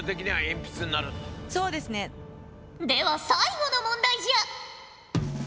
では最後の問題じゃ。